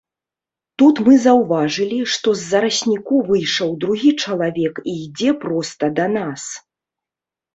Тут мы заўважылі, што з зарасніку выйшаў другі чалавек і ідзе проста да нас.